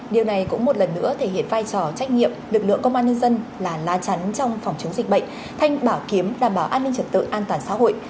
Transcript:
điều này cũng một lần nữa thể hiện vai trò trách nhiệm lực lượng công an nhân dân là lá chắn trong phòng chống dịch bệnh thanh bảo kiếm đảm bảo an ninh trật tự an toàn xã hội